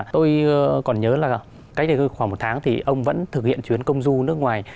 tôi còn nhớ là cách đây khoảng một tháng thì ông vẫn thực hiện chuyến công du nước ngoài